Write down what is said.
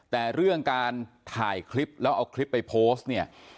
แต่เรื่องการถ่ายคลิปแล้วเอาคลิปไปโพสต์เนี่ย